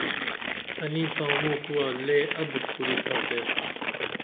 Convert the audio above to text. تنی تانو کوعہ لے ابُت کُری ساتے